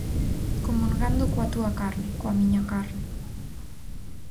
Comungando coa túa carne, coa miña carne.